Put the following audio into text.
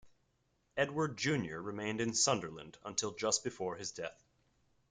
Edward junior remained in Sunderland until just before his death.